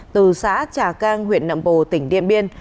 từ xã trà cang huyện nậm bồ tỉnh điện biên